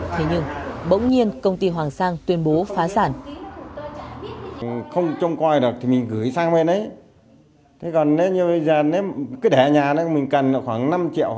thế nhưng bỗng nhiên công ty hoàng sang tuyên bố phá sản